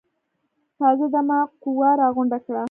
تازه دمه قوه راغونډه کړه.